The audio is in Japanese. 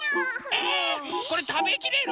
えこれたべきれる？